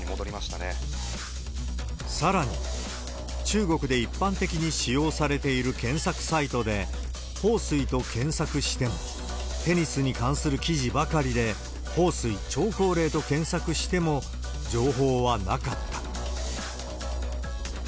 さらに、中国で一般的に使用されている検索サイトで、彭帥と検索しても、テニスに関する記事ばかりで、彭師、張高麗と検索しても情報はなかった。